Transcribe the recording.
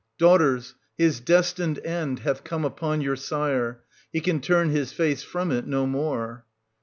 Daughters, his destined end hath come upon your sire ; he can turn his face from it no more.